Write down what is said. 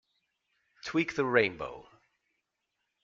Tweak the Rainbow.